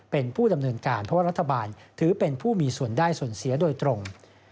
เป็นผู้ดำเนินการเพราะว่ารัฐบาลถือเป็นผู้มีส่วนได้ส่วนเสียโดยตรง